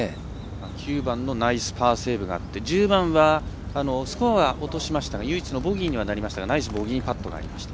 ９番のナイスパーセーブがあって１０番はスコアは落としましたが唯一のボギーにはなりましたがナイスボギーパットがありました。